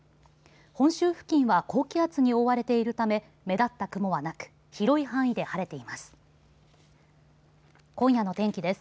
本州付近は高気圧に覆われているため目立った雲はなく広い範囲で晴れています。